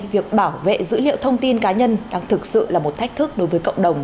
việc bảo vệ dữ liệu thông tin cá nhân đang thực sự là một thách thức đối với cộng đồng